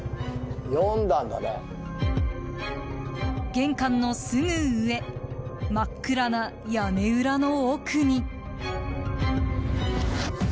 玄関のすぐ上真っ暗な屋根裏の奥に。